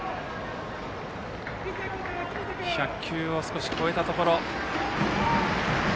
１００球を少し超えたところ。